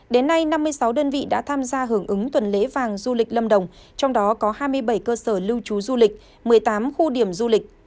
đến nay năm mươi sáu đơn vị đã tham gia hưởng ứng tuần lễ vàng du lịch lâm đồng trong đó có hai mươi bảy cơ sở lưu trú du lịch một mươi tám khu điểm du lịch